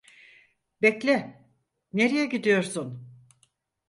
Bekle, nereye gidiyorsun?